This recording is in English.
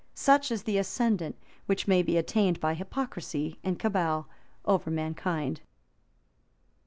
Such is the ascendant which may be attained, by hypocrisy and cabal, over mankind.